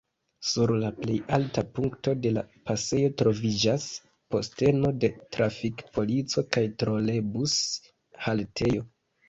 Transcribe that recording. Sur la plej alta punkto de la pasejo troviĝas posteno de trafik-polico kaj trolebus-haltejo.